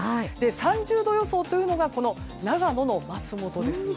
３０度予想というのが長野の松本です。